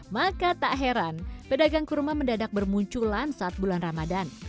maka tak heran pedagang kurma mendadak bermunculan saat bulan ramadan